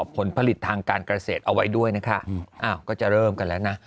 ผลผลิตทางการเกษตรเอาไว้ด้วยนะคะอ้าวก็จะเริ่มกันแล้วนะ